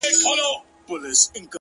ساقي جانانه ته را یاد سوې تر پیالې پوري”